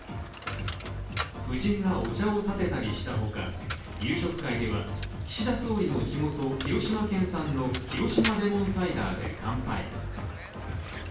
夫人がお茶をたてたりしたほか、夕食会では岸田総理の地元・広島県産の広島レモンサイダーで乾杯。